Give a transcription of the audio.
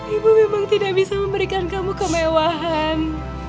ibu memang tidak bisa memberikan kamu kemewahan